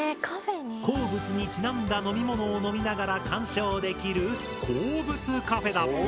鉱物にちなんだ飲み物を飲みながら鑑賞できる鉱物カフェだ。